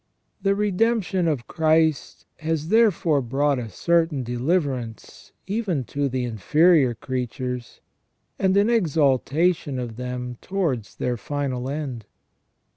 The redemption of Christ has therefore brought a certain de liverance even to the inferior creatures, and an exaltation of them towards their final end.